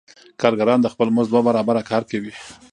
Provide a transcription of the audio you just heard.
کارګران د خپل مزد دوه برابره کار کوي